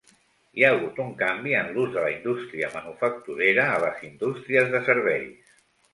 Hi ha hagut un canvi en l'ús de la indústria manufacturera a les indústries de serveis.